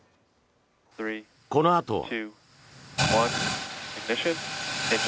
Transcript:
このあとは。